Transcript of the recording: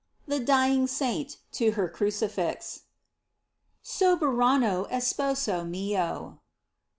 THE DYING SAINT TO HER CRUCIFIX. Soberano Esposo mío.